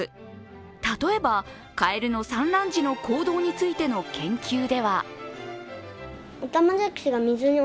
例えば、かえるの産卵時の行動についての研究では更には